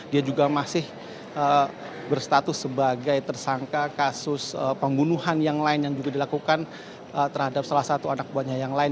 dia juga masih berstatus sebagai tersangka kasus pembunuhan yang lain yang juga dilakukan terhadap salah satu anak buahnya yang lain